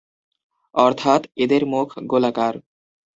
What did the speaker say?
অর্থাৎ, এদের মুখ গোলাকার।